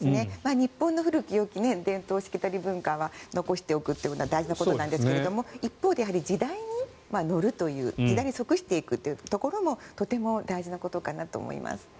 日本の古きよき伝統、しきたり、文化は残しておくということは大事なことなんですけども一方で、時代に乗るという時代に即していくというところもとても大事なことかなと思います。